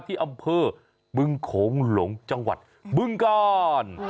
ที่อำเภอบึงโขงหลงจังหวัดบึงกาล